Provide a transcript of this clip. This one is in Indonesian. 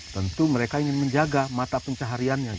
tentu mereka ingin menjaga mata pencahariannya